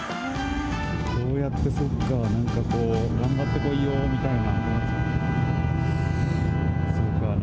こうやって、そっか、頑張ってこいよみたいな。